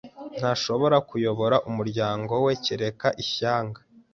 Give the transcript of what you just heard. Ntashobora kuyobora umuryango we, kereka ishyanga!